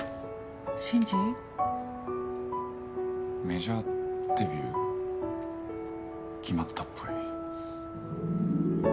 メジャーデビュー決まったっぽい。